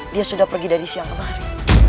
dia sudah pergi dari siang kemarin